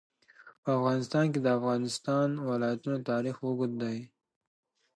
په افغانستان کې د د افغانستان ولايتونه تاریخ اوږد دی.